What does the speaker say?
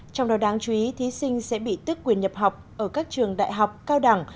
trong đó đáng chú ý thí sinh sẽ bị tức quyền nhập học ở các trường đại học cao đẳng